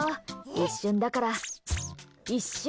一瞬だから、一瞬！